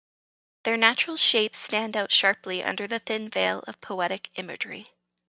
Their natural shapes stand out sharply under the thin veil of poetic imagery.